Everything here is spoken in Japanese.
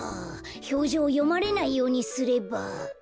ひょうじょうをよまれないようにすれば。